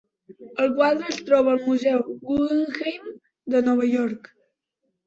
El quadre es troba al Museu Guggenheim de Nova York.